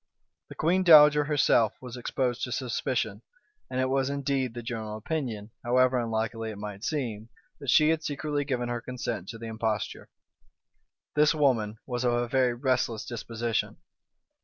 The queen dowager herself was exposed to suspicion; and it was indeed the general opinion, however unlikely it might seem, that she had secretly given her consent to the imposture. This woman was of a very restless disposition.